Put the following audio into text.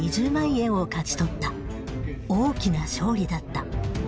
大きな勝利だった。